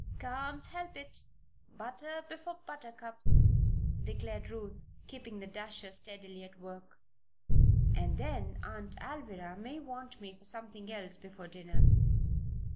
"Can't help it. Butter before buttercups," declared Ruth, keeping the dasher steadily at work. "And then, Aunt Alvirah may want me for something else before dinner."